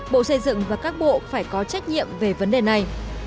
bộ xây dựng và các bộ phải có trách nhiệm về vấn đề này